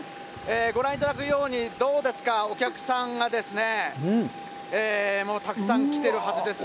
ご覧いただくように、どうですか、お客さんがもうたくさん来てるはずです。